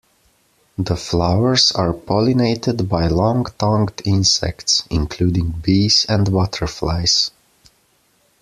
The flowers are pollinated by long-tongued insects, including bees and butterflies.